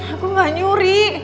aku gak nyuri